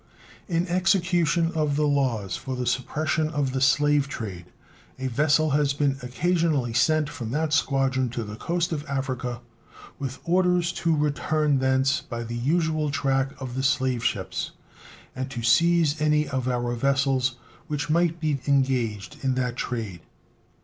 In execution of the laws for the suppression of the slave trade a vessel has been occasionally sent from that squadron to the coast of Africa with orders to return thence by the usual track of the slave ships, and to seize any of our vessels which might be engaged in that trade.